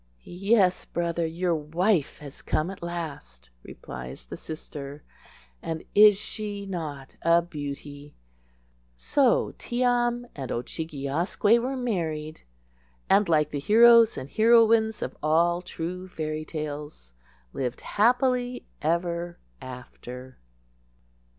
"Yes, brother, your wife has come at last," replies the sister, "and is she not a beauty?" So Tee am and Oo chig e asque were married, and, like the heroes and heroines of all true fairy tales, lived happily ever after.